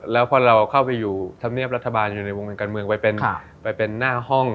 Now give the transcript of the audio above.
แล้วพอเราเข้าไปอยู่ทำเนี๊ยบรัฐบาลอยู่ในวงบันการเมืองไปไปเป็นห้อง